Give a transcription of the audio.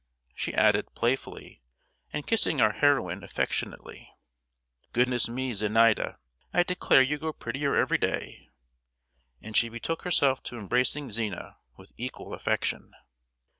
She added, playfully, and kissing our heroine affectionately, "Goodness me, Zenaida, I declare you grow prettier every day!" And she betook herself to embracing Zina with equal affection.